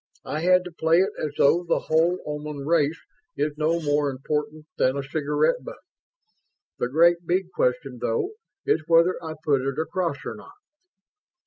I had to play it as though the whole Oman race is no more important than a cigarette butt. The great big question, though, is whether I put it across or not."